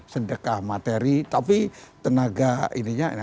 sedekah materi tapi tenaga ininya